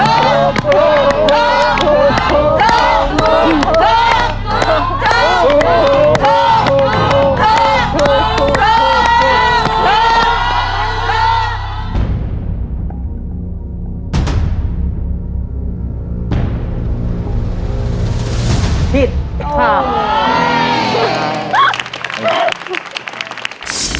ทาราบังชุดรับแขกเนี่ยออกวางแผงในปีภศ๒๕๔๖ค่ะ